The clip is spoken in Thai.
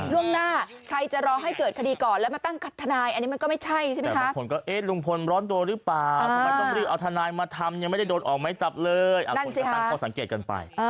ล่วงหน้าใครจะรอให้เกิดคดีก่อนแล้วมาตั้งทนายอันนี้มันก็ไม่ใช่ใช่ไหมคะ